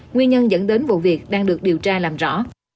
nguyên nhân dẫn đến vụ việc đang được điều tra làm rõ